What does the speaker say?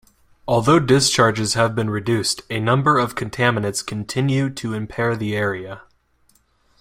Although discharges have been reduced, a number of contaminants continue to impair the area.